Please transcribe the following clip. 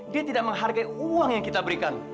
dia tidak menghargai uang yang kita berikan